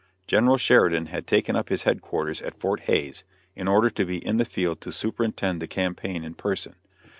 General Sheridan had taken up his headquarters at Fort Hayes, in order to be in the field to superintend the campaign in person.